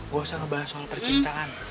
gue selalu bahas soal percintaan